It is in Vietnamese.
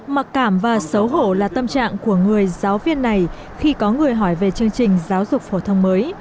mặc cảm và xấu hổ là tâm trạng của người giáo viên này khi có người hỏi về chương trình giáo dục phổ thông mới